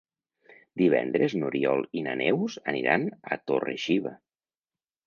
Divendres n'Oriol i na Neus aniran a Torre-xiva.